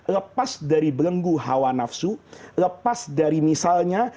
lepas dari belenggu hawa nafsu lepas dari misalnya